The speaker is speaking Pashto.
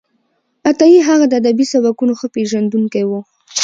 عطايي هغه د ادبي سبکونو ښه پېژندونکی و.